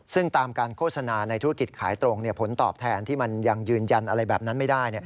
ซึ่งตามการโฆษณาในธุรกิจขายตรงผลตอบแทนที่มันยังยืนยันอะไรแบบนั้นไม่ได้